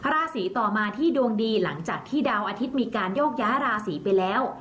ราศีต่อมาที่ดวงดีหลังจากที่ดาวอาทิตย์มีการโยกย้ายราศีไปแล้ว